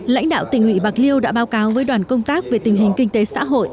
lãnh đạo tỉnh ủy bạc liêu đã báo cáo với đoàn công tác về tình hình kinh tế xã hội